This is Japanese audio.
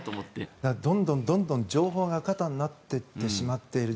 どんどん情報が過多になっていってしまっている。